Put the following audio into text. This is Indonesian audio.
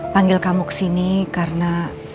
panggil kamu kesini karena